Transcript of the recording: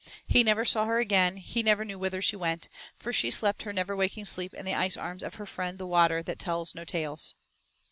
He never saw her again, and he never knew whither she went, for she slept her never waking sleep in the ice arms of her friend the Water that tells no tales.